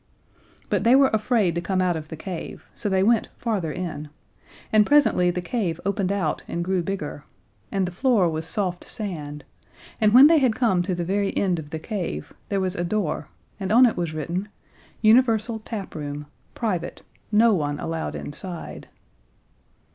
But they were afraid to come out of the cave, so they went farther in, and presently the cave opened out and grew bigger, and the floor was soft sand, and when they had come to the very end of the cave there was a door, and on it was written: UNIVERSAL TAPROOM. PRIVATE. NO ONE ALLOWED INSIDE.